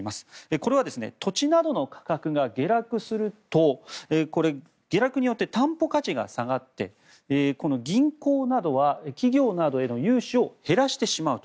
これは土地などの価格が下落すると下落によって担保価値が下がって銀行などは企業などへの融資を減らしてしまうと。